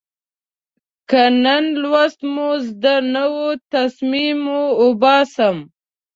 که د نن لوست مو زده نه و، تسمې مو اوباسم.